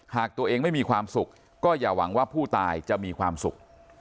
หากตัวเองไม่มีความสุขก็อย่าหวังว่าผู้ตายจะมีความสุข